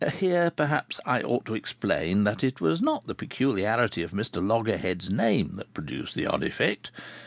Here perhaps I ought to explain that it was not the peculiarity of Mr Loggerheads' name that produced the odd effect.